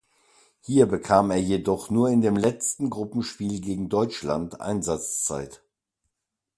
Hier bekam er jedoch nur in dem letzten Gruppenspiel gegen Deutschland Einsatzzeit.